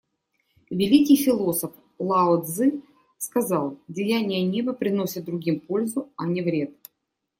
Великий философ Лао Цзы сказал: «Деяния Неба приносят другим пользу, а не вред.